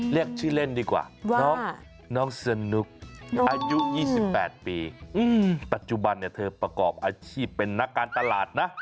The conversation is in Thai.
เรียกชื่อเล่นดีกว่าน้องสนุกอายุ๒๘ปีปัจจุบันเธอประกอบอาชีพเป็นนักการตลาดนะ